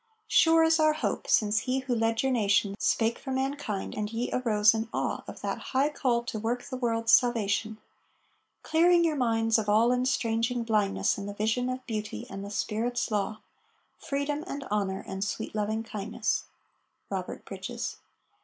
Sure is our hope since he who led your nation Spake for mankind, and ye arose in awe Of that high call to work the world's salvation; Clearing your minds of all estranging blindness In the vision of Beauty and the Spirit's law, Freedom and Honor and sweet Loving kindness. ROBERT BRIDGES.